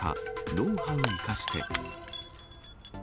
ノウハウ生かして。